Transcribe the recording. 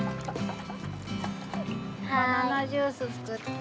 バナナジュースつくって。